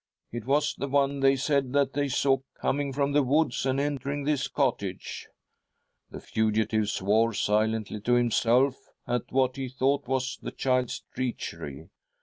It was the one they said that they saw coming from the woods and entering this cottage.' " The fugitive swore silently to himself at what he thought was the child's treachery.